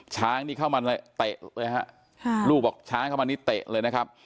ช้างนี่เข้ามาเตะเลยฮะค่ะลูกบอกช้างเข้ามานี่เตะเลยนะครับ